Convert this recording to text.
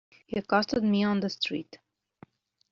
He accosted me on the street.